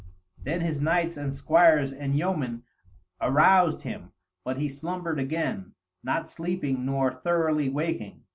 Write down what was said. Then his knights and squires and yeomen aroused him, but he slumbered again, not sleeping nor thoroughly waking.